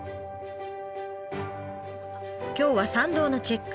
今日は山道のチェック。